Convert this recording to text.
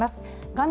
画面